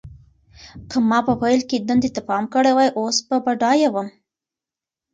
که ما په پیل کې دندې ته پام کړی وای، اوس به بډایه وم.